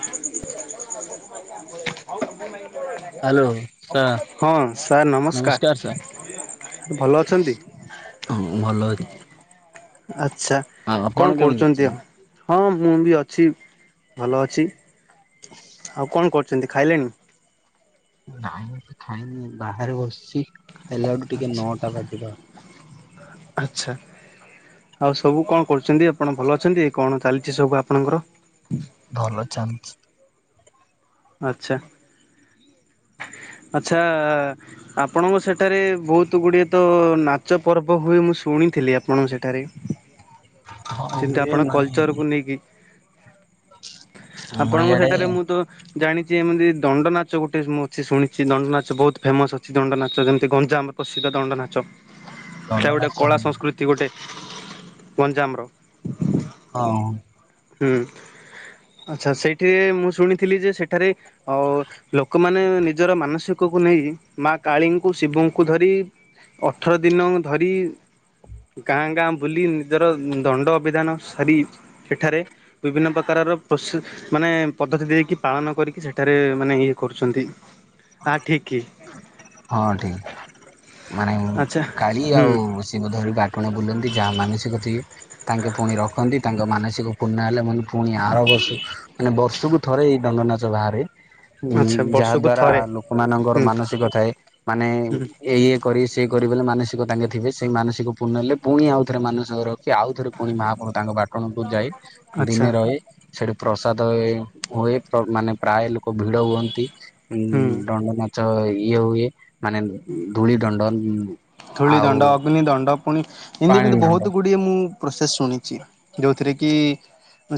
ହଁ [inaudible] hello sir [inaudible] ହଁ sir ନମସ୍ ନମସ୍କାର ସାର୍ ଭଲ ଅଛନ୍ତି। ମୁଁ ଭଲ ଅଛି। ଆଛା ଆଉ ଆପଣ କଣ କେମିତି କରୁଛନ୍ତି ଅଛନ୍ତି? ଆଉ ହଁ ମୁଁ ବି ଅଛି ଭଲ ଅଛି ଆଉ କଣ କରୁ ଛନ୍ତି ଖାଇଲେଣି? ନାଇଁ ମୁ ଖାଇନି ବାହାରେ ବସିଛି ଖାଇଲା ବେଳୁ ଟିକେ ଆଚ୍ଛା ନଅଟା ବାଜିବ। ଆଚ୍ଛା। ଆଉ ସବୁ କଁ କରୁଛନ୍ତି ଆପଣ ଭଲ ଅଛନ୍ତି କଣ ଚାଲିଛି ସବୁ ଆପଣଙ୍କର। ଭଲ ଚାଲିଛି। ଆଚ୍ଛା। ଆଛା ଆପଣଙ୍କ ସେଠାରେ ବହୁତ ଗୁଡିଏ ତ ନାଚ ପର୍ବ ହୁଏ ମୁଁ ଶୁଣି ଶୁଣିଥିଲି ଆପଣ ସେଠାରେ ହଁ ଯେମତି ହୁଏ ଆପଣ ମାନେ କଲଚର କୁ ନେଇକି। ଆମର ଆପଣଙ୍କ ଇଆଡେ ସେଠାରେ ମୁଁ ତ ଜାଣିଛି ଏମିତି ଦଣ୍ଡ ନାଚ ଗୋଟେ ମୁଁ ଅଛି ଶୁଣିଛି ଦଣ୍ଡ ନାଚ ବହୁତ ଫେମସ ଅଛି ଦଣ୍ଡ ନାଚ ଯେମିତି ଗଞ୍ଜାମ୍ ର ପ୍ରସିଦ୍ଧ ଦଣ୍ଡ ନାଚ ଦଣ୍ଡ ହେଟା ଗୋଟେ ନାଚ କଳା ସଂସ୍କୃତି ଗୋଟେ। ଗଞ୍ଜାମ୍ ର ହଁଅ ହୁଁ ଆଚ୍ଛା ସେଇଠି ମୁଁ ଶୁଣିଥିଲି ଯେ ସେଠାରେ ଅ ଲୋକମାନେ ମାନେ ନିଜର ମାନସିକକୁ ନେଇ ମା କାଳୀଙ୍କୁ ଶିବଙ୍କୁ ଧରି ଅଠର ଦିନ ଧରି। ଗାଁ ଗାଁ ବୁଲି ନିଜର ଦଣ୍ଡ ଅବିଧାନ ସାରି ସେଠାରେ ବିଭିନ୍ନ ପ୍ରକାରର ପ୍ରସିଦ୍ଧ ମାନେ ପଦ୍ଧତି ଦେଇକି ପାଳନ କରିକି ସେଠାରେ ମାନେ ଇଏ କରୁଛନ୍ତି। ଆ ଠିକ୍ କି। ହଁ ଠିକ ମାନେ ଆଚ୍ଛା କାଳି ହୁଁ ଆଉ ସିଙ୍ଗଧରି ବାଟଣା ବୁଲନ୍ତି ଯାହା ମାନସିକ ଥିବେ। ତାଙ୍କେ ପୁଣି ରଖନ୍ତି ତାଙ୍କ ମାନସିକ ପୁର୍ଣ୍ଣା ହେଲେ ମାନେ ପୁଣି ଆର ବର୍ଷୁ ମାନେ ବଷୁ ସବୁ ଥରେ ଏଇ ଦଣ୍ଡ ନାଚ ବାହାରେ ଉଁ ଆଚ୍ଛା ଯାଆ ବର୍ଷକୁ ଦ୍ଵାରା ଥରେ ଲୋକମାନଙ୍କର ହୁଁ ମାନସିକ ଥାଏ ମାନେ ହୁଁ ଈ ଇଏ କରି ସିଏ କରି ଯୋଉ ମାନେ ମାନସିକ ତାଙ୍କେ ଥିବେ ସେଇ ମାନସିକ ପୂର୍ଣ୍ଣ ହେଲେ ପୁଣି ଆଉଥରେ ମାନସର ସିଏ ଆଉ ଥରେ ପୁଣି ମହାପ୍ରଭୁ ତାଙ୍କ ବାଟଣପୁର ଯାଇ ଆଚ୍ଛା ଦିନେ ରହି ସେଠୁ ପ୍ରସାଦ ଉଏ ହୁଏ ମାନେ ଲୋକ ଭିଡ଼ ହୁଅନ୍ତି ହୁଁ ଉଁ-ଉଁ ମାଛ ଇଏ ହୁଏ ମାନେ ଧୂଳି ଦଣ୍ଡ ଧୂଳି ଆଉ ଦଣ୍ଡ ଅଗ୍ନି ଦଣ୍ଡ ପୁଣି। ପାଣି ଏମିତିବିତି ଦଣ୍ଡ ବହୁତ ଗୁଡିଏ ମୁଁ ପ୍ରୋସେସ ଶୁଣିଛି ଯୋଉଥିରେ କି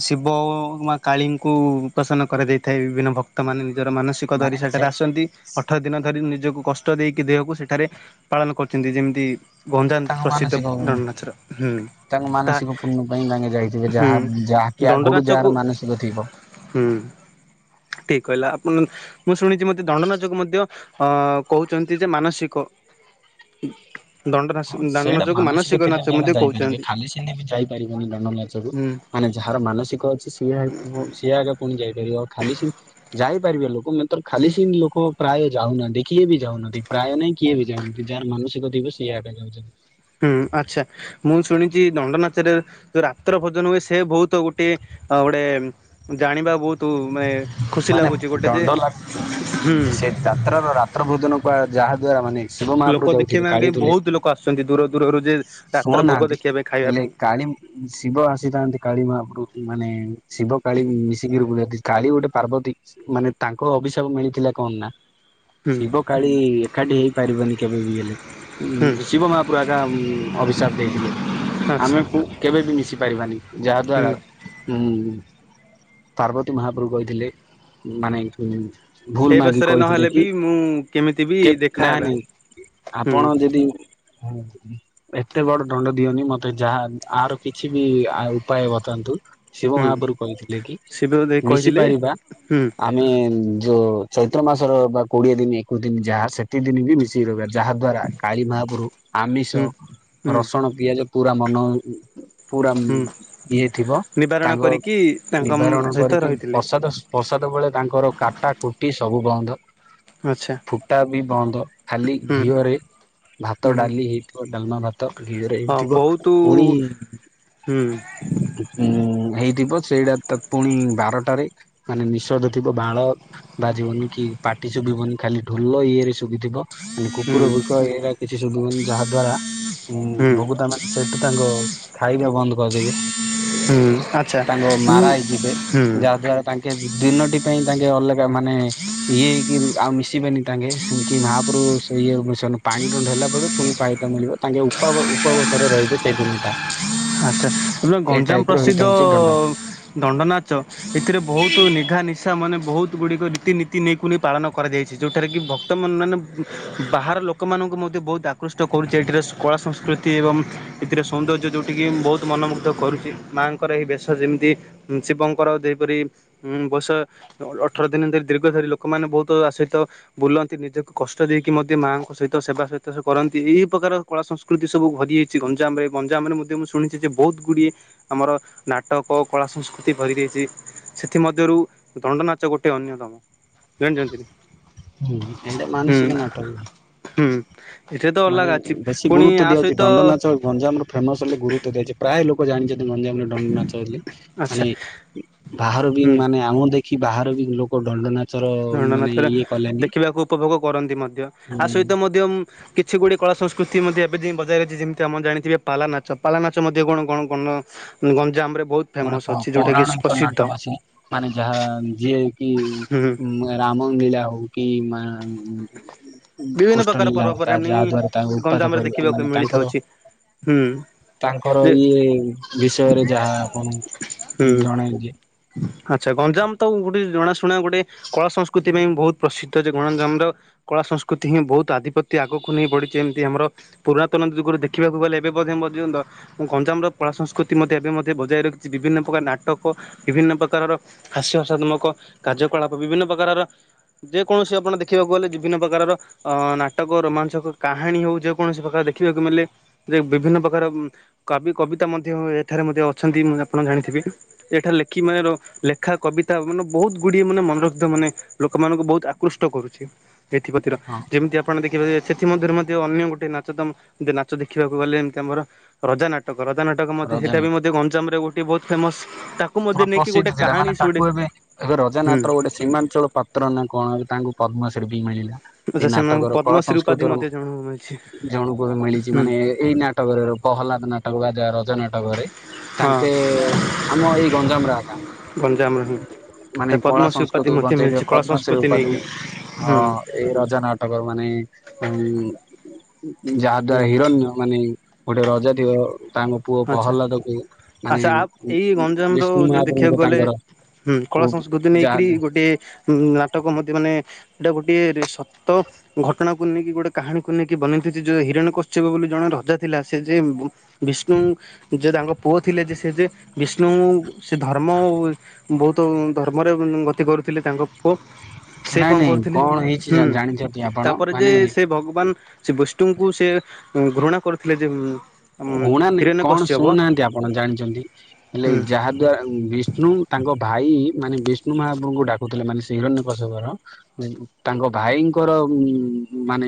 ଶିବ ଅ ମା କାଳୀଙ୍କୁ ପ୍ରସନ୍ନ କରାଯାଇଥାଏ। ବିଭିନ୍ନ ଭକ୍ତମାନୋନ ନିଜର ମାନସିକ ଧରି ମାନେ ସେ ସେଠାରେ ଆସନ୍ତି ଅଠର ଦିନ ଧରି ନିଜ ନିଜକୁ କଷ୍ଟ ଦେଇକି ଦେହକୁ ସେଠାରେ ପାଳନ କରୁଛନ୍ତି ଯେମିତି। ଗଞ୍ଜାମ୍ ତାଙ୍କ ପ୍ରସିଦ୍ଧ ମାନସିକ ଦଣ୍ଡ ନାଚର ହୁଁ। ତାଙ୍କ ତା ମାନସିକ ପୂର୍ଣ୍ଣ ପାଇଁ ତାଙ୍କେ ଯାଇଥିବେ ହୁଁ ଯାହା ଯାହାକି ଦଣ୍ଡ ଆଗରୁ ନାଚକୁ ଯାହାର ମାନସିକ ଥିବ। ହୁଁ। ଠିକ କହିଲା ଆପଣ ମୁଁ ଶୁଣିଛି ମୋତେ ଦଣ୍ଡନାଚକୁ ମଧ୍ୟ ଅ କହୁଛନ୍ତି ଯେ ମାନସିକ। କି [inaudible] ହଁ ସେଇଟା ମାନସିକ ଥିଲା ବି ଆେ ମଧ୍ୟ ଯାଇପାରିବେ କହୁଛନ୍ତି ଖାଲି ସେମିତି ବି ଯାଇପାରିବନି ଦଣ୍ଡନାଚକୁ ହୁଁ ମାନେ ଯା ଯାହାର ମାନସିକ ଅଛି ସିଏ ସିଏ ଆଗେ ପୁଣି ଯାଇପାରିବ ଖାଲି ଯାଇ ପାରିବେ ଲୋକ ମେତର ଖାଲି ସେଇନ୍ତି ଲୋକ ପ୍ରାୟ ଯାଉନାହାନ୍ତି କିଏ ବି ଯାଉନାହାନ୍ତି ପ୍ରାୟ ନାଇଁ କିଏ ବି ଯାଉନାହାନ୍ତି ଯାହାର ମା କଷିକ ଥିବେ ସିଇଆଗେ ଯାଉଚନ୍ତି। ହୁଁ ଆଛା ମୁଁ ଶୁଣିଛି ଦଣ୍ଡନାଚରେ ଯୋଉ ରାତ୍ର ଭୋଜନ ହୁଏ ସେ ବହୁତ ଗୋଟିଏ ଅ ଗୋଟେ ଜାଣିବା ବୋହୁତୁ ମାନେ ଦଣ୍ଡ ନାଚ ହୁଁ ସେ ଯାତ୍ରାର ରାତ୍ର ଭୋଜନକୁ ଯାହା ଦ୍ଵାରା ମାନେ ଶିବ ଲୋକ ମହାପ୍ରଭୁ ଦେଉଥିଲେ ଦେଖିବା କାଳି ପାଇଁ ତୁଳେ ବହୁତ ଲୋକ ଆସୁଛନ୍ତି ଦୂର ଦୂରରୁ ଯେ ରାତ୍ର ଭୋଗ ଶୁଣୁନାହାନ୍ତି ଦେଖିବା ପାଇଁ ଖାଇବା ହେଲେ ପାଇଁ କାଳି ଶିବ ଆସିଥାନ୍ତି କାଳୀ ମାହାପ୍ରଭୁ ମାନେ ଶିବ କାଳି ମିଶିକିରି [unintelligible] କାଳି ଗୋଟେ ପାର୍ବତୀ ମାନେ ତାଙ୍କ ଅଭିଶାପ ମିଳିଥିଲା କଣ ନା ହୁଁ। ଶିବ କାଳି ଏକାଟି ହେଇପାରିବନି କେବେ ବି ହେଲେ ଉ ହୁଁ ଶିବ ମହାପ୍ରଭୁ ଆଜ୍ଞା ଅଭିଶାପ ଦେଇଥିଲେ ଆମେ ଆଚ୍ଛା କେବେ ବି ମିଶି ପାରିବାନି ଯାହା ହୁଁ ଦ୍ଵାରା ହୁଁ ପାର୍ବତୀ ମହାପ୍ରଭୁ କହିଥିଲେ ମାନେ ଭୁଲ ଏ ମାଗି ବେଶରେ କହିଥିଲେ ନହେଲେ ବି ମୁଁ କେମିତି ବି କି ନାଇ ଦେଖାହେବା। ନାଇଁ ହୁଁ ଆପଣ ଯଦି ଏତେ ବଡ ଦଣ୍ଡ ଦିଅନି ମତେ ଯାହା ଆର କିଛି ବି ଆ ଉପାୟ ବତାନ୍ତୁ ଶିବ ହୁଁ ମହାପୁରୁ କହିଥିଲେ କି ଶିବ ଦେଇ ମିଶି କହିଥିଲେ ପାରିବା ହୁଁ ଆମେ ଯୋଉ ଚୈତ୍ର ମାସର ବା କୋଡିଏ ଦିନ ଏକୋଇଶ ଦିନ ଯାହା ସେତି ଦିନ ବି ମିଶିକି ରହିବାର ଯାହା ଦ୍ଵାରା କାଳୀ ମହାପରୁ ଆମିଷ ହୁଁ ହୁଁ ରସୁଣ ପିଆଜ ପୁରା ମନ ପୁରା ହୁଁ ଇଏ ଥିବ ନିବାରଣ ତାଙ୍କ କରିକି ତାଙ୍କ ନିବାରଣ ସହିତ କରି ରହିଥିଲେ ପ୍ରସାଦ ପ୍ରସାଦ ବେଳେ ତାଙ୍କର କାଟା କୁଟି ସବୁ ବନ୍ଦ ଆଚ୍ଛା ଫୁଟା ବି ବନ୍ଦ ଖାଲି ହୁଁ ଘିଅରେ ଭାତ ହୁଁ। ଡାଲି ହେଇଥିବ ଡାଲମା ଭାତ ଘିଅରେ ହଁ ହେଇଥିବ ବହୁତ ପୁଣି ହୁଁ ଉଁ ହେଇଥିବ ସେଇଟା ତ ପୁଣି ଭା [unintelligible] ମାନେ ନିଷଧ ଥିବ ବାଣ ବାଜିବନି କି ପାଟି ଶୁଭିବନି ଖାଲି ଢୋଲ ଇଏରେ ସୁ ଶୁଭିଥିବ ମାନେ ହୁଁ କୁକୁର ଭୂକ ଏଇରା କିଛି ସୁଭିବନି ଯାହାଦ୍ଵାରା ଉଁ ହୁଁ ଭୋଗୁତା ମାନେ ସେଠୁ ତାଙ୍କ ଖାଇବା ବନ୍ଦ କରିଦେବେ। ହୁଁ ଆଚ୍ଛା ତାଙ୍କ ହୁଁ ମାରା ହେଇଯିବେ ଯାହା ଦ୍ୱାରା ତାଙ୍କେ ଦିନଟି ପାଇଁ ତାଙ୍କେ ଅଲଗା ମାନେ ଇଏ ହେଇକି ଆଉ ମିଶିବେନି ତାଙ୍କେ ସେ ମହାପ୍ରଭୁ ସେ ଇଏ କାରଣ ପାଣି ଦଣ୍ଡ ହେଲା ପରେ ପୁଣି ପାଇତ ମିଳିବ ତାଙ୍କେ ଉପା ଉପବସରେ ରହିବେ ସେଇ ଦିନିଟା। ଆଛା ହେଲେ ଗଞ୍ଜାମ ପ୍ରସିଦ୍ଧ ଦଣ୍ଡ। ଦଣ୍ଡ ନାଚ ଏଥିରେ ବହୁତ ନିଘା ନିଶା ମାନେ ବହୁତ ଗୁଡ଼ିକ ରୀତିନୀତି ନେଇ କୁନି ପାଳନ କରାଯାଇଛି ଯୋଉଠାରେ କି ଭକ୍ତ ମନ ମାନେ ବାହାର ଲୋକ ଲୋକମାନଙ୍କୁ ମଧ୍ୟ ବହୁତ ଆକୃଷ୍ଟ କରୁଛି ଏଠିରେ କଳା ସଂସ୍କୃତି ଏବଂ ଏଥିରେ ସୌନ୍ଦର୍ଯ୍ୟ ଯେଉ ଟିକି ବହୁତ ମନମୁଗ୍ଧ କରୁଛି ମାଆଙ୍କର ଏହି ବେଶ ଯେମିତି ଉଁ ଶିବଙ୍କର ଯେପରି ଉଁ ବର୍ଷ ଅଠର ଦିନ ଧରି ଦୀର୍ଘ ଧରି ଲୋକମାନେ ବହୁତ ଆ ସହିତ ବୁଲନ୍ତି ନିଜକୁ କଷ୍ଟ ଦେଇକି ମ ମାଆଙ୍କ ସହିତ ସେବା ସହିତ ସେ କରନ୍ତି ଏଇ ପ୍ରକାର କଳା ସଂସ୍କୃତି ସବୁ ଭରିଯାଇଛି ଗଞ୍ଜାମରେ ଗଞ୍ଜାମରେ ମୁ ମୁଁ ଶୁଣିଛି ଯେ ବହୁତ ଗୁଡ଼ିଏ ଆମର ନାଟକ କଳା ସଂସ୍କୃତି ଭରିି ରହିଛି ସେଥିମଧ୍ୟରୁ ରୁ ଦଣ୍ଡ ନାଚ ଗୋଟେ ଅନ୍ୟତମ [unintelligible] ଜାଣିଥିବେ ହୁଁ ଏଇଟା ମାନସିକ ନାଟକ। ହୁଁ ଏଥିରେ ତ ମାନେ ଅଲଗା ଅଛି ବେଶୀ ପୁଣି ଗୁରୁତ୍ୱ ଆ ଦିଆଉଛି ସହିତ ଦଣ୍ଡ ନାଚ ଗଞ୍ଜାମର ଫେମସ ବୋଲି ଗରୁତ୍ବ ଦିଆଯଛି ପ୍ରାୟ ଲୋକ ଜାଣିଛନ୍ତି। ଯେ ଗଞ୍ଜାମର ଦଣ୍ଡନାଚ ବୋଲି ଆଚ୍ଛା ମାନେ ବାହାରୁ ବି ହୁଁ ମାନେ ଆମ ଦେ ଖି ବାହାର ବି ଲୋକ ଦଣ୍ଡନାଚ ଦଣ୍ଡନାଚର ଦେଖିବାକୁ ଉପଭୋଗ କରନ୍ତି ମଧ୍ୟ ଆ ସହିତ ମଧ୍ୟ କିଛି ଗୁଡିଏ କଳା ସଂସ୍କୃତି ଏଥି ମଧ୍ୟ ଏବେ ଯାଇ ବଜାଇ ରହିଛି ଯେମିତି ଆମ ଜାଣିଥିବେ ପାଲାନାଚ ପାଲାନାଚ ମଧ୍ୟ କଣ କଣ ନା ଗଞ୍ଜାମରେ ବହୁତ ଗୋଟେ ଫେମସ୍ ପ ଅଛି ଯୋଉଟାକି ପୌରାଣିକ ପ୍ରସିଦ୍ଧ ନାଟକ ଅଛି ମାନେ ଯାହା ଯିଏ କି ହୁଁ ମ ରାମ ଲୀଳା ହଉ କି ମା ବିଭିନ୍ନ ପ୍ରକାର କୃଷ୍ଟଲୀଳା ହେଉ ତା ପର୍ବପର୍ବାଣୀ ଯାହା ଦ୍ଵାରା ତାଙ୍କୁ ଉତ୍ପାଦ ଗଞ୍ଜାମରେ କରିବା ଦେଖିବାକୁ ମାନେ ତାଙ୍କର ମିଳିଥାଉଛି ହୁଁ ତାଙ୍କର ଯେ ଇଏ ବିଷୟରେ ଯାହା ଆପଣ ହୁଁ। ଜଣାଏ ଯେ ଆଚ୍ଛା ଗଞ୍ଜାମ ତ ଗୋଟେ ଜଣାଶୁଣା ଗୋଟେ କଳା ସଂସ୍କୃତି ପାଇଁ ବହୁତ ପ୍ରସିଦ୍ଧ ଯେ ଗଞ୍ଜାମର କଳା ସଂସ୍କୃତି ପ୍ରକୃତି ହିଁ ବହୁତ ଆଧିପତ୍ୟ ଆଗକୁ ନେଇ ବଢିଛି ଏମିତି ଆମର ପୁରାତନ ଯୁଗରୁ ଦେଖିବାକୁ ଗଲେ ଏବେ ବୋଧେ ମଧ୍ୟ ତ ମୁଁ ଗଞ୍ଜାମ ର କଳା ସଂସ୍କୃତି ମଧ୍ୟ ଏବେ ମଧ୍ୟ ବଜାୟ ରଖିଛି ବିଭିନ୍ନ ପ୍ରକାର ନାଟକ ବିଭିନ୍ନ ପ୍ରକାରର। ହାସ୍ୟ ହସାତ୍ମକ କାର୍ଯ୍ୟକଳାପ ବିଭିନ୍ନ ପ୍ରକାରର ଯେକୌଣସି ଆପଣ ଦେଖିବାକୁ ଗଲେ ବିଭିନ୍ନ ପ୍ରକାରର। ଅ ନାଟକ ରୋମାଞ୍ଚକ କାହାଣୀ ହଉ ଯେକୌଣସି ପ୍ରକାର ଦେଖିବାକୁ ମିଲେ ବିଭିନ୍ନ ପ୍ରକାର‌। କବି କବିତା ମଧ୍ୟ ଏଠାରେ ମଧ୍ୟ ଅଛନ୍ତି ଆପଣ ଜାଣିଥିବେ। ଏଠାରେ ଲେଖି ମାୟର ଲେଖା କବିତା ମାନେ ବହୁତ ଗୁଡିଏ ମାନେ ମନୋରୋଗ୍ଦ ମାନେ ଲୋକମାନଙ୍କୁ ବହୁତ ଆକୃଷ୍ଟ କରୁଛି ଏଥି ହଁ ଯେମିତି ଆପଣ ଦେଖିବେ। ସେଥିମଧ୍ୟରୁ ମଧ୍ୟ ଅନ୍ୟ ଗୋଟେ ନାଚ ତମ ନାଚ ଦେଖିବାକୁ ଗଲେ ଯେମିତି ଆମର ରଜା ନାଟକ। ରଜା ନାଟକ ମଧ୍ୟ ସେଟା ରଜନା ବି ମଧ୍ୟ ଗଞଜାମ ରେ ଗୋଟେ ବହୁତ ଫେମସ ତା ପୁରା ପ୍ରସିଦ୍ଧ ଥିଲା ମାନେ ତାକୁ ଏବେ ଏବେ ହୁଁ ରଜାନଟର ଗୋଟେ ସୀମାଞ୍ଚଳ ପାତ୍ର ନା କଣ ଏବେ ତାଙ୍କୁ ପଦ୍ମ ଶ୍ରୀ ବି ମିଳିଲା। ଏଇ ଆଚ୍ଛା ସେମାନଙ୍କୁ ନାଟକର କଳା ପଦ୍ମଶ୍ରୀ ଉପାଧି ସଂସ୍କୃତର ମଧ୍ୟ ଜଣଙ୍କୁ ମିଳିଛି ଜଣଙ୍କୁ ବି ମିଳିଛି ହୁଁ ମାନେ ଏଇ ନାଟକର। ପ୍ରହ୍ଲାଦ ନାଟକ ବା ଯା ରଯା ନାଟକରେ ହଁ ତାଙ୍କେ। ଆମ ଏଇ ଗଞ୍ଜାମରେ ଆକା। ଗଞ୍ଜାମ ମାନେ ଯେ କଳା ପଦ୍ମଶ୍ରୀ ଉପାଧି ସଂସ୍କୃତିକୁ ମଧ୍ୟ ବଞ୍ଚେଇଥିବା ମିଳିଛି କଳା ପଦ୍ମଶ୍ରୀ ସଂସ୍କୃତି ଉପାଧି ନେଇକି। ହଁ ହୁଁ ଏଇ ରଜା ନାଟକ ମାନେ। ଉଁ ଯାହା ହୁଁ ଦ୍ଵାରା ହିରଣ୍ୟ ମାନେ ଗୋଟେ ରଜା ଥିବ ତାଙ୍କ ପୁଅ ଆଚ୍ଛା। ପ୍ରହଲ୍ଲାଦକୁ ମାନେ। ଆଚ୍ଛା ଆ ଏଇ ଗଞ୍ଜାମର ବିଷ୍ଣୁ ଜୋଉ ଦେଖିବାକୁ ମହାପ୍ରଭୁଙ୍କୁ ଗଲେ। ତାଙ୍କର ହୁଁ କଳା ସଂସ୍କୃତି ନେଇକରି ଯାହା ଗୋଟେ ନାଟକ ମଧ୍ୟ ମାନେ। ଏଇଟା ଗୋଟିଏ ସତ ଘଟଣାକୁ ନେଇକି ଗୋଟେ କାହାଣୀକୁ ନେଇକି ବନାନ୍ତି ଯେ ଯୋଉ ହିରଣ କଶ୍ୟପ ବୋଲି ଜଣେ ରଜା ଥିଲା ସେ ଯେ ଭୁ ବିଷ ଯେ ତାଙ୍କ ପୁଅ ଥିଲେ ଯେ ସେ ଯେ ବିଷ୍ଣୁ ସେ ଧର୍ମ ବହୁତୁ। ଧର୍ମରେ ଉଁ ନୁ ଗତି କରୁଥିଲେ ତାଙ୍କ ପୁଅ। ସେ ନାଇଁ କଣ ନାଇଁ କରୁଥିଲେ କଣ ହେଇଛି ହୁଁ ଜା- ଜାଣିଛନ୍ତି ଆପଣ ତାପରେ ଯେ ମାନେ ସେ ଭଗବାନ ସେ ବିଷ୍ଣୁଙ୍କୁ ସେ। ଘୃଣା କରୁଥିଲେ ଯେ ଉମ ଉମ୍ ମାନେ କଣ ଶୁଣୁନାହାନ୍ତି ଆପଣ ଜାଣିଛନ୍ତି ହେଲେ ହୁଁ ଯାହା ଦ୍ଵାରା ବିଷ୍ଣୁ ତାଙ୍କ ଭାଇ। ମାନେ ବିଷ୍ଣୁ ମହାପ୍ରଭୁଙ୍କୁ ଡାକୁଥିଲେ ମାନେ ହିରନ୍ୟ କଶ୍ୟପର ତାଙ୍କ ଭାଇଙ୍କର ଉ ମାନେ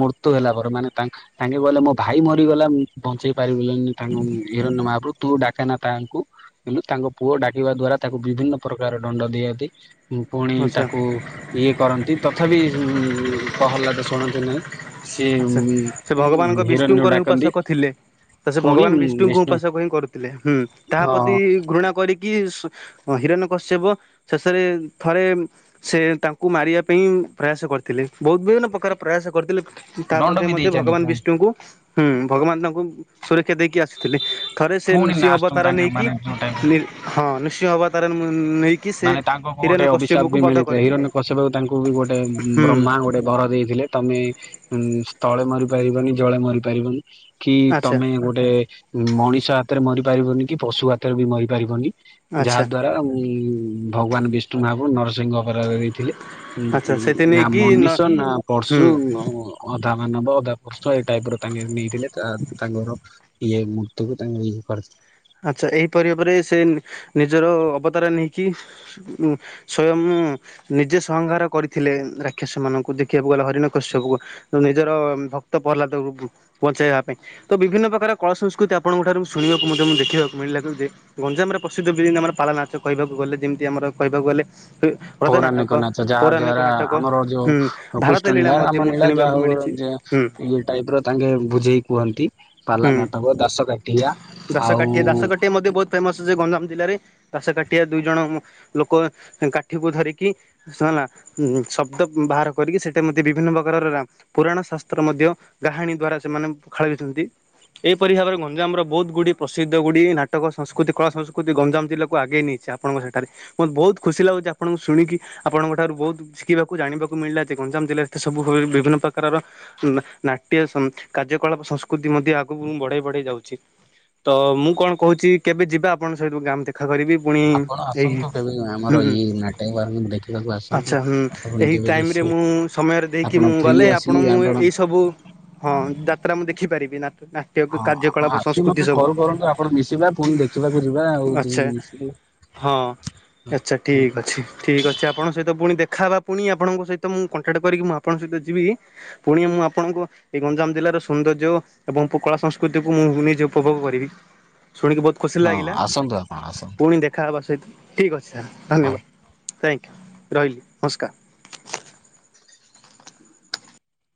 ମୃତ୍ୟୁ ହେଲା ପରେ ମାନେ ତା ତାଙ୍କେ କହିଲେ ମୋ ଭାଇ ମ ରିଗଲା ବଞ୍ଚେଇ ପାରିବି ଲାନି ତାଙ୍କୁ ହିରନ୍ୟ ମହା ପ୍ରଭୁ। ତୁ ଡାକେନା ତାଙ୍କୁ କିନ୍ତୁ ତାଙ୍କ ପୁଅ ଡାକିବା ଦ୍ଵାରା ତାକୁ ବିଭିନ୍ନ ପ୍ରକାର ଦଣ୍ଡ ଦିଅନ୍ତି। ଉଁ ପୁଣି ଆଚ୍ଛା ତାକୁ ଇଏ କରନ୍ତି ତଥାପି ପ୍ରହ୍ଲାଦ ଶୁଣନ୍ତି ନାହିଁ। ସିଏ ଆଚ୍ଛା ସେ ଉଁ ଭଗବାନଙ୍କ ହିରାନ୍ୟକ ବିଷ୍ଣୁଙ୍କର ହିଁ ଡା ଉପାସକ ଥିଲେ। ତ ସେ ଭଗବାନ ବିଷ୍ଣୁଙ୍କୁ ବିଷ୍ଣୁ ଉପାସକ ହିଁ କରୁଥିଲେ। ହୁଁ ତାହା ହଁ ପ୍ରତି ଘୃଣା କରିକି। ଇସ ହଁ ହୀରନ୍ୟ କଶ୍ୟପ ଶେଷରେ ଥରେ ସେ ତାଙ୍କୁ ମାରିବା ପାଇଁ। ପ୍ରୟାସ କରିଥିଲେ। ବହୁତ ବିଭିନ୍ନ ପ୍ରକାର ପ୍ରୟାସ କରିଥିଲେ ତା ଦଣ୍ଡ ମଧ୍ୟେ ବି ମଧ୍ୟ ଦେଇଛନ୍ତି ଭଗବାନ ପୁଣି ବିଷ୍ଣୁଙ୍କୁ। ହୁଁ ଭଗବାନ ତାଙ୍କୁ ସୁରକ୍ଷା ଦେଇକି ଆସିଥିଲେ। ଥରେ ସେ ପୁଣି ନିୃସିଂହ ଲାଷ୍ଟକୁ ଅବତାର ତାଙ୍କେ ନେଇକି ମାନେ ଯୋଉ ଟାଇମ ହଁ ନୃସିଂହ ଅବତାର ମୁ ମାନେ ତାଙ୍କ କଣ ଗୋଟେ ଅଭିିଶାପ ବି ବଧ ମିଳିଥାଏ କରିଥିଲେ ହିରଣ୍ୟ କଶ୍ୟପ ତାଙ୍କୁ ବି ଗୋଟେ ହୁଁ ବ୍ରହ୍ମା ଗୋଟେ ବର ଦେଇ ଥିଲେ ତମେ ଉଁ ସ୍ଥଳେ ମରି ପାରିବନି ଜଳେ ମରି ପାରିବନି। କି ଆଚ୍ଛା ତମେ ଗୋଟେ ମଣିଷ ହାତରେ ମରି ପାରିବନି କି ପଶୁ ହାତରେ ବି ମରି ପାରିବନି। ଯାହା ଆଚ୍ଛା ଦ୍ଵାରା ଉଁ ଭଗବାନ ବିଷ୍ଣୁ ମହାପ୍ରଭୁ ନର ସିଂହ ଆବତାର ଦେଇଥିଲେ ଉଁ ଆଚ୍ଛା ଉଁ ସେଇଥି ନା ନେଇକି ନ ମନୀଷ ନା ହୁଁ ପଶୁ ନ ଅଧା ମାନବ ଅଧା ପର୍ଶୁ ଏଇ ଟାଇପର ତାଙ୍କେ ନେଇଥିଲେ ତାଙ୍କର ଇଏ ମୃତ୍ୟୁ କୁ ତାଙ୍କ ଇଏ କରିଥିଲେ। ଆଚ୍ଛା ଏହିପରି ଭାବରେ ସେ ନିଜର ଅବତାର ନେଇକି ସ୍ଵୟଂ। ଉଁ ନିଜେ ସଂହାର କରିଥିଲେ ରାକ୍ଷସ ମାନଙ୍କୁ ଦେଖିବାକୁ ଗଲେ ହରିଣ କଶ୍ୟବକୁ ନିଜର। ଭକ୍ତ ପହ୍ଲାଦକୁ ବଞ୍ଚେଇବା ପାଇଁ ତ ବିଭିନ୍ନ ପ୍ରକାର କଳା ସଂସ୍କୃତି ଆପଣଙ୍କ ଠାରୁ ଶୁଣିବାକୁ ମଧ୍ୟ ମୁଁ ଦେଖି ଖିବାକୁ ମିଳିଲା ଯେ ଗଞ୍ଜାମରେ ପ୍ରସିଦ୍ଧ ବିଳୀ ନାମା ର ପାଲା ନାଚ କହିବାକୁ ଗଲେ ଯେମିତି ଆମର କହିବାକୁ ଗଲେ ରଜ ନାଟକ ପୌରାଣିକ ନାଚ ଯାହା ପୌରାଣିକ ଦ୍ଵାରା ନାଟକ ଆମର ହୁଁ ଯୋଉ ଭାରତ ଲୀଳା କୃଷ୍ଟନୀଳା, ମଧ୍ୟ ମୁଁ ରାମନୀଳା ଯାହା ଶୁଣିବାକୁ ହଉ ମିଳିଛି ଯେ ହୁଁ ଏଇ ଟାଇପର ତାଙ୍କେ ବୁଝେଇ କୁହନ୍ତି ପାଲା ହୁଁ ନାଟକ, ଦାସ କାଠିଆ ଆଉ ଦାସକାଠିଆ, ଦାସକାଠିଆ ମଧ୍ୟ ବହୁତ ଫେମସ ଗଞ୍ଜାମ ଜିଲ୍ଲାରେ ଘାସ କାଟିଆ ଦୁଇ ଜଣ ଲୋକ କାଠିକୁ ଧରିକି ହେଲା ଶବ୍ଦ ବାହାର କରିକି ସେଇଟା ମଧ୍ୟ ବିଭିନ୍ନ ପ୍ରକାରର ପୁରାଣ ଶାସ୍ତ୍ର ମଧ୍ୟ ଗାହାଣୀ ଦ୍ଵାରା ସେମାନେ ଖେଳେଇଛନ୍ତି ଏହିପରି ଭାବରେ ଗଞ୍ଜାମର ବହୁତ ଗୁଡିଏ ପ୍ର ପ୍ରସିଦ୍ଧ ଗୁଡିଏ ନାଟକ ସଂସ୍କୃତି କଳା ସଂସ୍କୃତି ଗଞ୍ଜାମ ଜିଲ୍ଲାକୁ ଆଗେଇ ନେଇଛି ଆପଣଙ୍କ ସେଠାରେ ମତେ ବହୁତ ଖୁସି ଲାଗୁଛି। ଆପଣଙ୍କୁ ଶୁଣିକି ଆପଣଙ୍କ ଠାରୁ ବହୁତ ଶିଖିବାକୁ ଜାଣିବାକୁ ମିଳିଲା ଯେ ଗଞ୍ଜାମ ଜିଲ୍ଲାରେ ଏ ସବୁ ବିଭିନ୍ନ ପ୍ରକାରର ନାଟ୍ୟ କାର୍ଯ୍ୟକଳାପ ସଂସ୍କୃତି ମଧ୍ୟ ଆଗକୁ ବଢେଇ ବଢେଇ ଯାଉଛି। ତ ମୁଁ କଣ କହୁଛି କେବେ ଯିବା ଆପଣଙ୍କ ସହିତ ଗାଁ ମ ଦେଖା କରିକି? ଆପଣ ଆସନ୍ତୁ କେବେ ଆମର ଇଏ ନାଟକ ଦେଖିବାକୁ ଆସନ୍ତୁ ଆଚ୍ଛା ହୁଁ ଆପଣ ଏହି ଯେବେ ଯେ ଟାଇମରେ ମୁଁ ସମୟରେ ଦେଇକି ମୁଁ ଗଲେ ଆପଣ ମୁଁ ଏଇ ସବୁ ହଁ ଯାତ୍ରା ମୁଁ ଦେଖିପାରିବି ନା ନାଟ୍ୟ କାର୍ଯ୍ୟକଳାପ ସଂସ୍କୃତି ସବୁ। ବରନ୍ତୁ ଆପଣ ମିଶିବା ପୁଣି ଦେଖିବାକୁ ଯିବା ଆଉ ଆଚ୍ଛା ମିଶିକି ହଁ ଆଚ୍ଛା ହଁ ଠିକ୍ ଅଛି ଠିକ୍ ଅଛି ଆପଣ ସହିତ ପୁଣି ଦେଖ ଖାହବା ପୁଣି ଆପଣଙ୍କ ସହିତ ମୁଁ କଣ୍ଟାକ୍ଟ କରିକି ମୁଁ ଆପଣଙ୍କ ସହିତ ଯିବି ପୁଣି ମୁଁ ଆପଣଙ୍କ ଏଇ ଗଞ୍ଜାମ ଜିଲ୍ଲା ସୌନ୍ଦର୍ଯ୍ୟ ଏବଂ କଳା ସଂସ୍କୃତି କୁ ମୁଁ ନିଜେ ଉପଭୋଗ କରିବି। ଶୁଣିକି ବହୁତ ଖୁସି ଲାଗିଲା ଆସନ୍ତୁ ଆପଣ ଆସନ୍ତୁ ପୁଣି ଦେଖାହବାସ ଠିକ୍ ଅଛି ସ ହଉ। ଧନ୍ୟବାଦ ଥାଙ୍କ ରହିଲି ନମସ୍କାର।